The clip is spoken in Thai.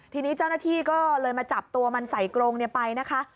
ทีนี้เจ้าหน้าที่ก็เลยมาจับตัวมันใส่กรงไปนะคะ